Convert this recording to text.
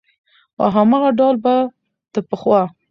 او هماغه ډول به د پخوا